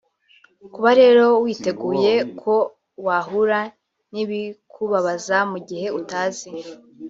Kuba rero witeguye ko wahura n’ibikubabaza mu gihe utazi